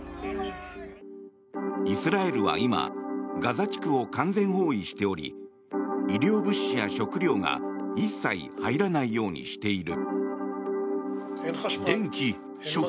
イスラエルは今ガザ地区を完全包囲しており医療物資や食料が一切入らないようにしている。